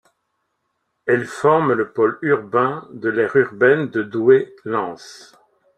Elle forme le pôle urbain de l'aire urbaine de Douai-Lens.